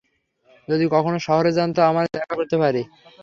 যদি কখনো শহরে যান তো আমরা দেখা করতে পারি।